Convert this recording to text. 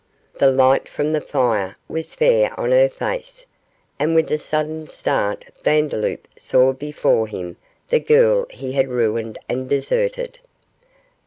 The light from the fire was fair on her face, and with a sudden start Vandeloup saw before him the girl he had ruined and deserted.